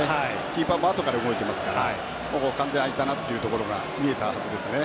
キーパーもあとから動いていますから完全に空いたなというのが見えたはずですね。